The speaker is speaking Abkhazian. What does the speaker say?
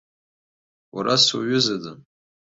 Уара суҩызаӡам.